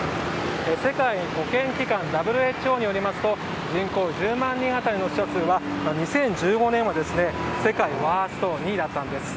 世界保健機関・ＷＨＯによりますと人口１０万人当たりの死者数は２０１５年は世界ワースト２位だったんです。